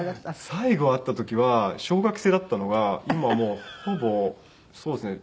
最後会った時は小学生だったのが今はもうほぼそうですね。